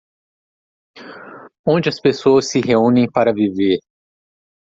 Onde as pessoas se reúnem para viver